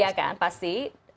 ya kan pasti